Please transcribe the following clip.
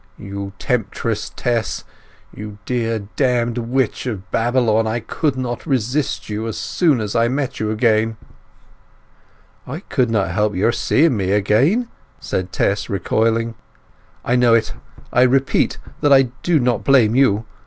"You temptress, Tess; you dear damned witch of Babylon—I could not resist you as soon as I met you again!" "I couldn't help your seeing me again!" said Tess, recoiling. "I know it—I repeat that I do not blame you.